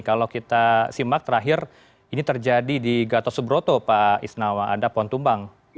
kalau kita simak terakhir ini terjadi di gatot subroto pak isnawa ada pohon tumbang